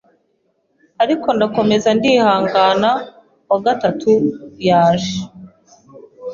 ariko ndakomeza ndihangana, uwa gatatu yaje